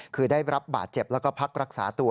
คือได้รับบาดเจ็บแล้วก็พักรักษาตัว